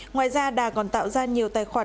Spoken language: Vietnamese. ngoài ra đà còn tạo ra nhiều tài khoản